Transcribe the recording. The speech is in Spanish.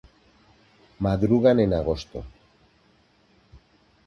Maduran en agosto.